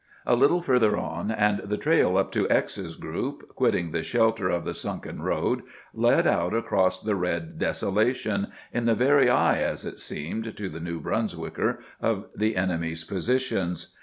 A little further on and the trail up to "X's Group," quitting the shelter of the sunken road, led out across the red desolation, in the very eye, as it seemed to the New Brunswicker, of the enemy's positions.